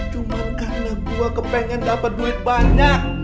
cuma karena gue kepengen dapat duit banyak